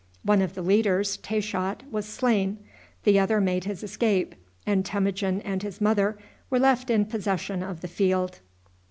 One of the leaders, Taychot, was slain. The other made his escape, and Temujin and his mother were left in possession of the field.